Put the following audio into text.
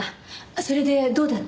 それでどうだった？